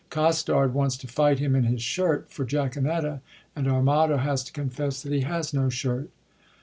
Costard wants to fight him in his shirt for Jaquenetta ; and Armado has to confess that he has no shirt.